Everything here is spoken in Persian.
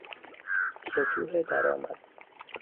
سطوح درآمد